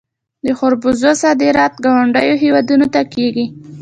د خربوزو صادرات ګاونډیو هیوادونو ته کیږي.